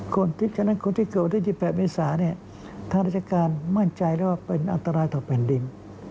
ฉะนั้นคนที่เกิดวันที่๑๘เมษาเนี่ยทางราชการมั่นใจแล้วว่าเป็นอันตรายต่อแผ่นดิน